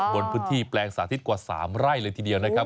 บนพื้นที่แปลงสาธิตกว่า๓ไร่เลยทีเดียวนะครับ